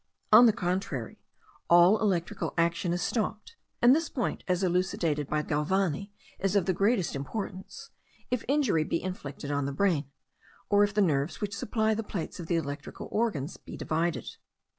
On the contrary, all electrical action is stopped (and this point, as elucidated by Galvani, is of the greatest importance) if injury be inflicted on the brain, or if the nerves which supply the plates of the electrical organs be divided.